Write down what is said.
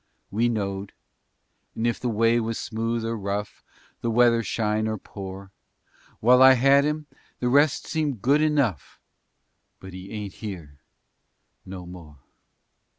We knowed and if the way was smooth or rough, The weather shine or pour, While I had him the rest seemed good enough But he ain't here no more!